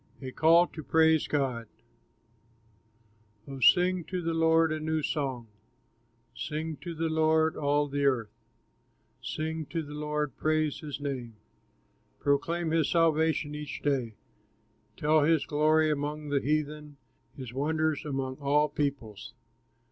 A CALL TO PRAISE GOD Oh, sing to the Lord a new song; Sing to the Lord, all the earth, Sing to the Lord, praise his name, Proclaim his salvation each day; Tell his glory among the heathen, His wonders among all peoples.